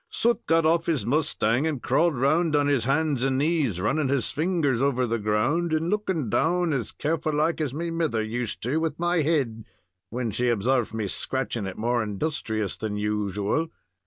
Soot got off his mustang and crawled round on his hands and knees, running his fingers over the ground, and looking down as careful like as me mither used to do with my head when she obsarved me scratching it more industrious than usual.